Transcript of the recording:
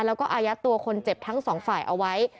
แล้วก็อายัดตัวคนเจ็บทั้งสองฝ่ายเอาไว้